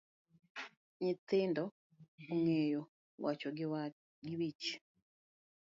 Nyithindo ong’eyo wacho gi wich